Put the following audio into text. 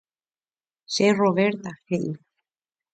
Che Roberta, he'i